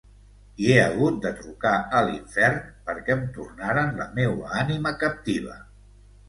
I he hagut de trucar a l'infern, perquè em tornaren la meua ànima captiva.